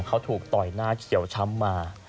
เขาถูกต่อยหน้าเขียวช้ำมา